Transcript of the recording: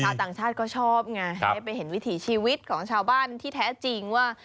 ต่างชาติก็ชอบไงได้ไปเห็นวิถีชีวิตของชาวบ้านที่แท้จริงว่า